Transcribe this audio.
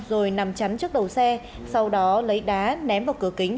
rồi nằm chắn trước đầu xe sau đó lấy đá ném vào cửa kính